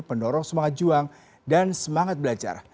pendorong semangat juang dan semangat belajar